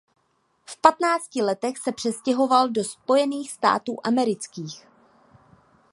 V patnácti letech se přestěhoval do Spojených států amerických.